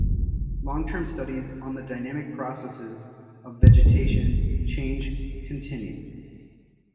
Long term studies on the dynamic processes of vegetation change continue.